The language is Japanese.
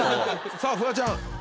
さぁフワちゃん。